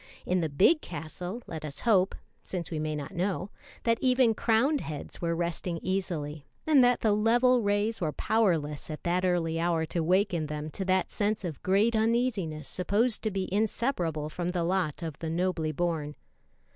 In the big castle, let us hope, since we may not know, that even crowned heads were resting easily, and that the level rays were powerless at that early hour to waken them to that sense of great uneasiness supposed to be inseparable from the lot of the "nobly born."